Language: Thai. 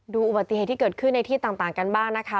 อุบัติเหตุที่เกิดขึ้นในที่ต่างกันบ้างนะคะ